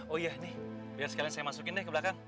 oh iya nih biar sekalian saya masukin deh ke belakang